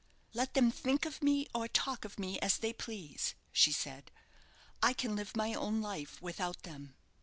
"Let them think of me or talk of me as they please," she said; "I can live my own life without them."